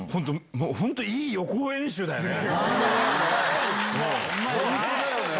本当、いい予行演習だよね。